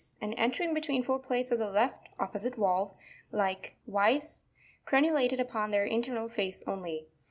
99), and entering between four plates of the left (opposite) valve, like wise crenulated upon their internal face only.